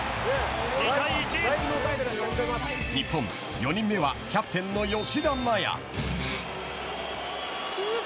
日本、４人目はキャプテンの吉田麻也。